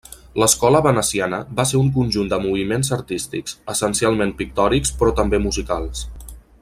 L'escola veneciana va ser un conjunt de moviments artístics, essencialment pictòrics però també musicals.